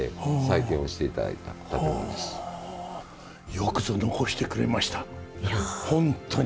よくぞ残してくれましたホントに。